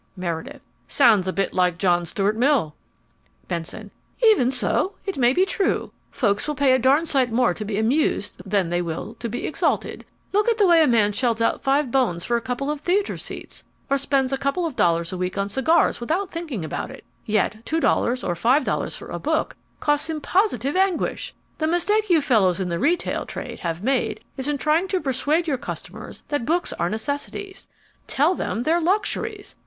MEREDITH Sounds a bit like John Stuart Mill. BENSON Even so, it may be true. Folks will pay a darned sight more to be amused than they will to be exalted. Look at the way a man shells out five bones for a couple of theatre seats, or spends a couple of dollars a week on cigars without thinking of it. Yet two dollars or five dollars for a book costs him positive anguish. The mistake you fellows in the retail trade have made is in trying to persuade your customers that books are necessities. Tell them they're luxuries.